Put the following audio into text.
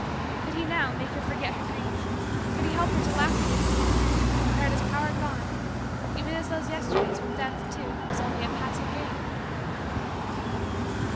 Could he, now, make her forget her grief could he help her to laugh again or had his power gone even as those Yesterdays when Death, too, was only a pleasing game?